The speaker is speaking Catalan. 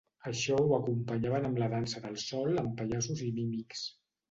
Això ho acompanyaven amb la dansa del sol amb pallassos i mímics.